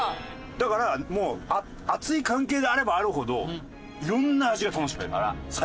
だからもう熱い関係であればあるほど色んな味が楽しめる最後まで。